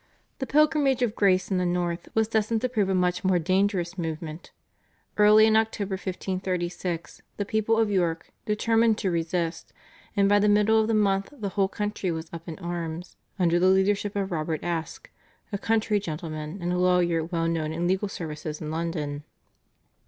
The Pilgrimage of Grace in the north was destined to prove a much more dangerous movement. Early in October 1536 the people of York, determined to resist, and by the middle of the month the whole country was up in arms under the leadership of Robert Aske, a country gentleman and a lawyer well known in legal services in London.